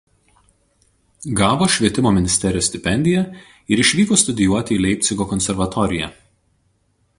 Gavo Švietimo ministerijos stipendiją ir išvyko studijuoti į Leipcigo konservatoriją.